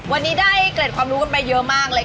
วันนี้ได้เกร็ดความรู้กันไปเยอะมากเลยค่ะ